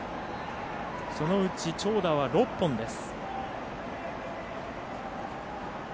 そのうち、長打は６本です。